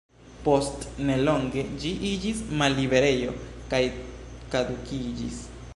Post nelonge ĝi iĝis malliberejo kaj kadukiĝis.